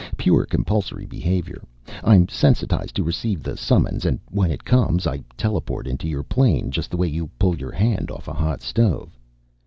Pure compulsory behavior. I'm sensitized to receive the summons, and when it comes, I teleport into your plane just the way you pull your hand off a hot stove.